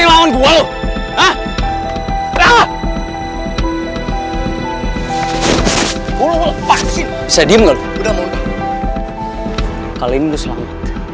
can useful thing ya